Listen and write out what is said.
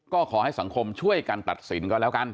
ก็ขอให้สังคมช่วยกันตัดสินก็แล้วกัน